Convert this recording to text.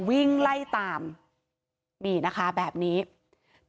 กลุ่มวัยรุ่นฝั่งพระแดง